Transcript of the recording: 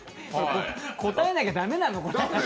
答えなきゃ駄目なの？